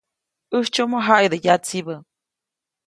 ‒ʼÄjtsyomo jaʼidä yatsibä-.